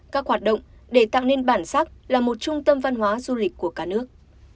các hoạt động để tạo nên bản sắc là một trung tâm văn hóa du lịch của cả nước